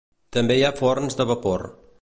També hi ha forns de vapor.